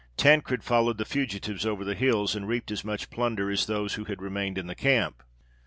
Tancred followed the fugitives over the hills, and reaped as much plunder as those who had remained in the camp.